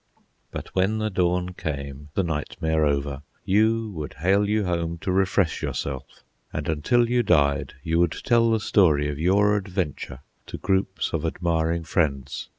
But when the dawn came, the nightmare over, you would hale you home to refresh yourself, and until you died you would tell the story of your adventure to groups of admiring friends.